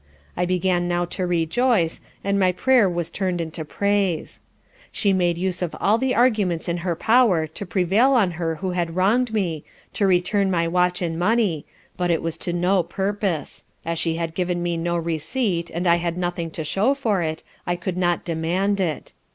I began now to rejoice, and my prayer was turned into praise. She made use of all the arguments in her power to prevail on her who had wronged me, to return my watch and money, but it was to no purpose, as she had given me no receipt and I had nothing to show for it, I could not demand it.